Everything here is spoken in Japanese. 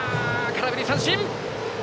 空振り三振！